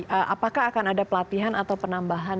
jadi sepa juga membuka peluang kerjasama di bidang pengembangan